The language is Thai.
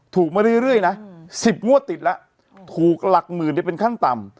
ถูกมาเรื่อยเรื่อยนะสิบงวดติดละถูกหลักหมื่นเนี่ยเป็นขั้นต่ำ